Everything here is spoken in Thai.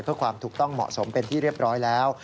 เพื่อความถูกต้องเหมาะสมเป็นที่เรียบร้อยแล้ว